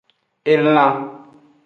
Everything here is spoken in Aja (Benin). Elan.